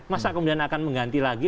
masa kemudian akan mengganti lagi